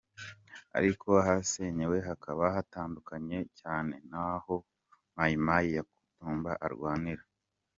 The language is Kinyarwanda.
Ariko, ahasenywe hakaba hatandukanye cyane n’aho Mai Mai Yakutumba arwanira.